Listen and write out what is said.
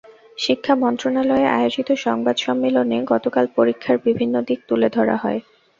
শিক্ষা মন্ত্রণালয়ে আয়োজিত সংবাদ সম্মেলনে গতকাল পরীক্ষার বিভিন্ন দিক তুলে ধরা হয়।